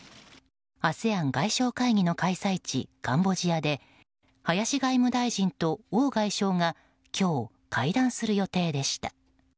ＡＳＥＡＮ外相会議の開催地カンボジアで林外務大臣と王外相が今日、会談する予定でした。